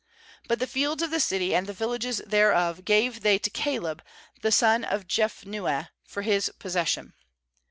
^But the fields of the city, and the villages thereof, gave they to Caleb the son of Jephunneh for his possession.